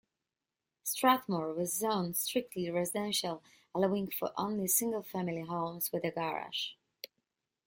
Strathmore was zoned strictly residential, allowing for only single-family homes with a garage.